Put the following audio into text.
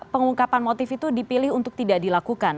pengungkapan motif itu dipilih untuk tidak dilakukan